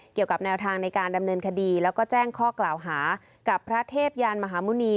เกี่ยวกับแนวทางในการดำเนินคดีแล้วก็แจ้งข้อกล่าวหากับพระเทพยานมหาหมุณี